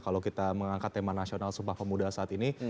kalau kita mengangkat tema nasional sumpah pemuda saat ini